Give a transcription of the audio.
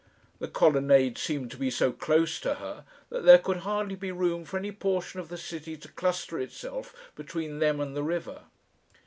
The colonnades seemed to be so close to her that there could hardly be room for any portion of the city to cluster itself between them and the river.